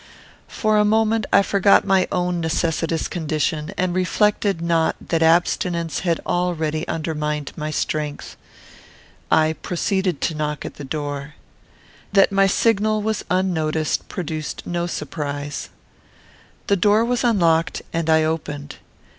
For a moment, I forgot my own necessitous condition, and reflected not that abstinence had already undermined my strength. I proceeded to knock at the door. That my signal was unnoticed produced no surprise. The door was unlocked, and I opened.